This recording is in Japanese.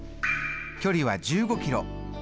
距離は１５キロ。